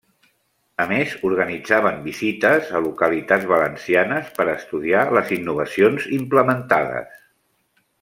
A més, organitzaven visites a localitats valencianes per a estudiar les innovacions implementades.